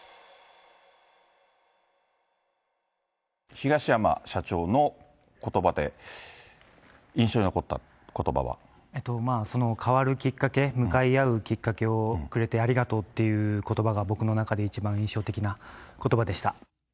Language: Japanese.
東山社長のことばで、変わるきっかけ、向かい合うきっかけをくれてありがとうということばが、僕の中で一番印象的なことばでした。